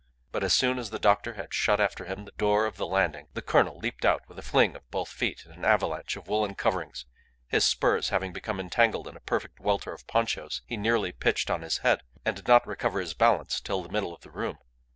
But as soon as the other had shut after him the door of the landing, the colonel leaped out with a fling of both feet in an avalanche of woollen coverings. His spurs having become entangled in a perfect welter of ponchos he nearly pitched on his head, and did not recover his balance till the middle of the room.